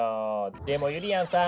でもゆりやんさん。